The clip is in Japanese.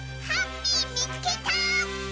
ハッピーみつけた！